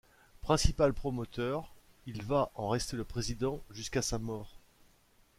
Principal promoteur, il va en rester le président jusqu'à sa mort.